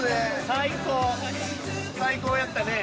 最高やったね。